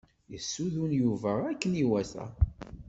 Yessudun Yuba akken iwata.